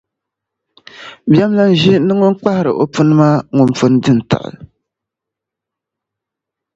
Biɛmlana ʒi ni ŋun kpahiri o pooni maa ŋun pun di n-tiɣi.